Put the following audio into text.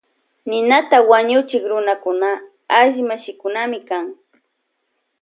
Ninata wañuchik runakuna alli mashikunami kan.